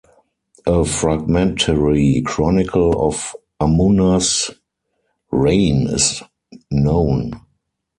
A fragmentary chronicle of Ammuna's reign is known.